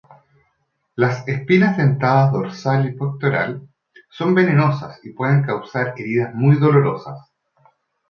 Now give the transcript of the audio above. Las espinas dentadas dorsal y pectoral son venenosas y pueden causar heridas muy dolorosas.